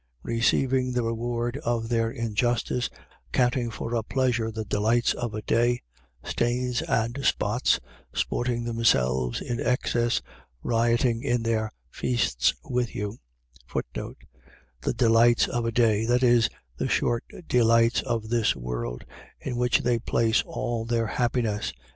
Receiving the reward of their injustice, counting for a pleasure the delights of a day: stains and spots, sporting themselves to excess, rioting in their feasts with you: The delights of a day: that is, the short delights of this world, in which they place all their happiness.